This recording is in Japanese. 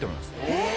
えっ！